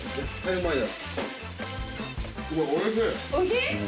おいしい？